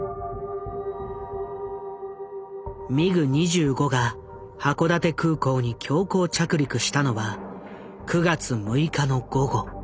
ミグ２５が函館空港に強行着陸したのは９月６日の午後。